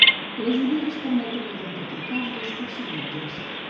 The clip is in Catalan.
Les ulleres permeten identificar els dos personatges.